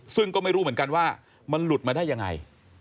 ซึ่งก็ไม่รู้เหมือนกันว่ามันหลุดมาได้ยังไง